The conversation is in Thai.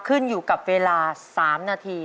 ขึ้นอยู่กับเวลา๓นาที